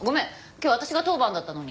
今日私が当番だったのに。